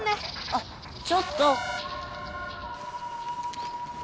あっちょっと！